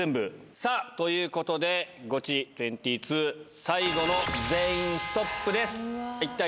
さあ、ということで、ゴチ２２、最後の全員ストップです。